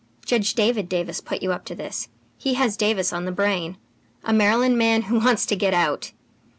Judge David Davis put you up to this. He has Davis on the brain. A Maryland man who wants to get out!